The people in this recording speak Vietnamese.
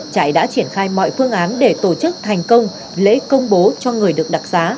trại đã triển khai mọi phương án để tổ chức thành công lễ công bố cho người được đặc xá